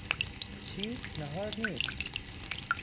چی! ناهار نیست!